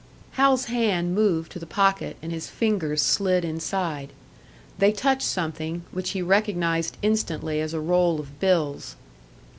Hal's hand moved to the pocket, and his fingers slid inside. They touched something, which he recognised instantly as a roll of bills.